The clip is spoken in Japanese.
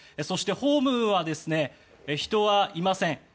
そしてホームは人はいません。